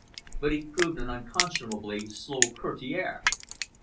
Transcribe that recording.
But he proved an unconscionably slow courtier.